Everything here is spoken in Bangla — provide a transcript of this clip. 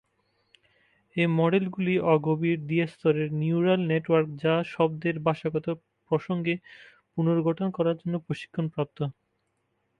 এই মডেলগুলি অগভীর, দ্বি-স্তরের নিউরাল নেটওয়ার্ক যা শব্দের ভাষাগত প্রসঙ্গে পুনর্গঠন করার জন্য প্রশিক্ষণপ্রাপ্ত।